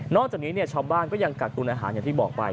จากนี้ชาวบ้านก็ยังกักตุนอาหารอย่างที่บอกไป